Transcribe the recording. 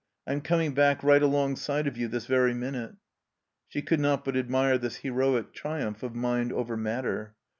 I'm coming back right alongside of you this very minute." She could not but admire this heroic triumph of mind over matter.